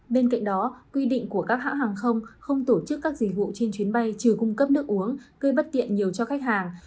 bên cạnh đó quy định của các hãng hàng không không tổ chức các dịch vụ trên chuyến bay trừ cung cấp nước uống gây bất tiện nhiều cho khách hàng